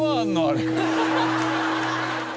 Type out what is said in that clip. あれ。